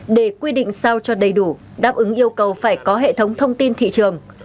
để quy định sao cho đầy đủ đáp ứng yêu cầu phải có hệ thống thông tin thị trường